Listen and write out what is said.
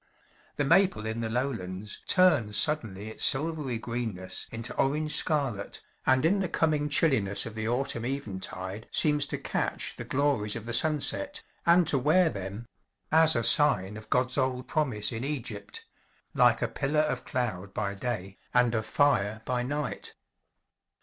The maple in the lowlands turns suddenly its silvery greenness into orange scarlet, and in the coming chilliness of the autumn eventide seems to catch the glories of the sunset, and to wear them as a sign of God's old promise in Egypt like a pillar of cloud by day, and of fire by night.